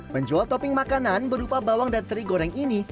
penjual topping makanan berupa bawang dan teri goreng ini